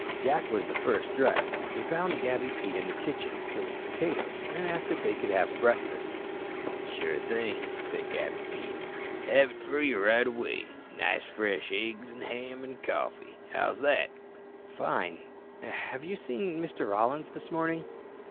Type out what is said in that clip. Jack was the first dressed. He found Gabby Pete in the kitchen, peeling potatoes, and asked if they could have breakfast. "Sure thing," said Gabby Pete. "Have it fur you right away. Nice fresh aigs an' ham an' coffee. How's that?" "Fine. Have you seen Mr. Rollins this morning?"